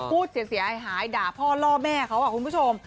กู๊ดเสียหายด่าพ่อล่อแม่เค้าอ่ะคุณผู้ชม